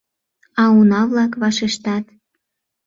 А уна-влак вашештат: